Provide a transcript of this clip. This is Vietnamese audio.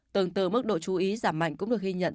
tương tự mức độ chú ý giảm mạnh cũng được ghi nhận